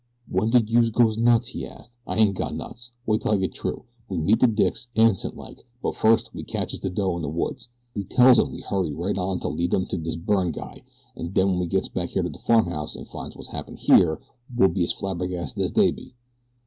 "Wen did youse go nuts?" he asked. "I ain't gone nuts. Wait 'til I gets t'rough. We meets de dicks, innocent like; but first we caches de dough in de woods. We tells 'em we hurried right on to lead 'em to dis Byrne guy, an' wen we gets back here to de farmhouse an' finds wot's happened here we'll be as flabbergasted as dey be."